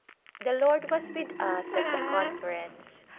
The Lord was with us at the Conference.